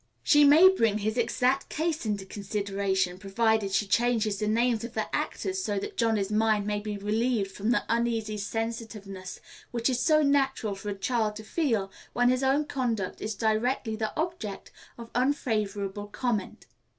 She may bring his exact case into consideration, provided she changes the names of the actors, so that Johnny's mind may be relieved from the uneasy sensitiveness which it is so natural for a child to feel when his own conduct is directly the object of unfavorable comment.